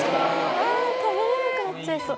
うわ食べれなくなっちゃいそう。